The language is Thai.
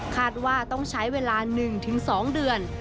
คาดว่าต้องใช้เวลา๑๒เดือน